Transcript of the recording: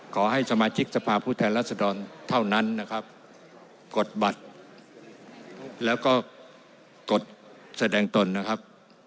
ขอให้สมาชิกสภาพผู้แทนรัศดรเท่านั้นนะครับกดบัตรแล้วก็กดแสดงตนนะครับ